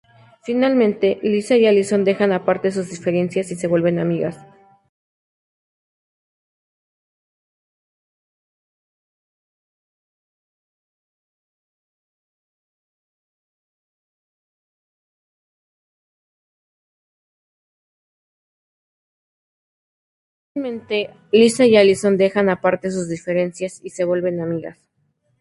Finalmente, Lisa y Allison dejan aparte sus diferencias y se vuelven amigas.